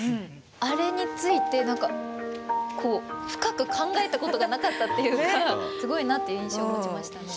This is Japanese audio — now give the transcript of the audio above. あれについてなんかこう深く考えたことがなかったっていうかすごいなっていう印象を持ちましたね。